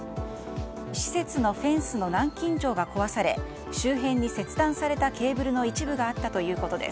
施設のフェンスの南京錠が壊され周辺に切断されたケーブルの一部があったということです。